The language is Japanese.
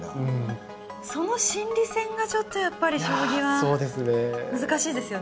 その心理戦がちょっとやっぱり将棋は難しいですよね。